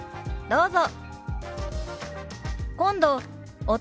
どうぞ。